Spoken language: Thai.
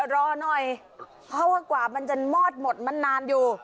รอหน่อยเพราะว่ากว่ามันจะมอดหมดมันนานอยู่